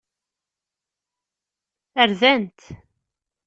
Rdan-t.